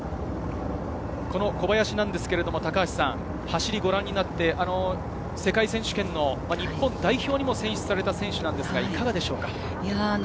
この小林ですが高橋さん、走りご覧になって世界選手権の日本代表にも選出された選手ですが、いかがですか？